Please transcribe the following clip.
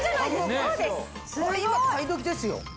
これ今買い時ですよ。